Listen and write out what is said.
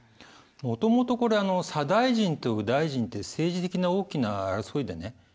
もともとこれ左大臣と右大臣で政治的な大きな争いでね